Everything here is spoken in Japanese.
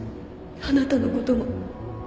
あなたのことも